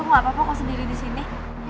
aku gak apa apa kau sendiri disini